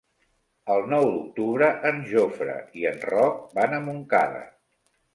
El nou d'octubre en Jofre i en Roc van a Montcada.